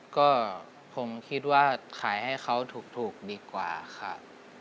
ก็ผมคิดว่าขายให้เขาถูกดีกว่าค่ะ